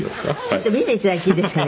「脱いでいただいていいですかね？